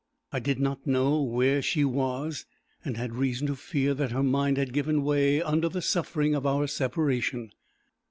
I did not know where she was, and had reason to fear that her mind had given way under the suffering of our separation.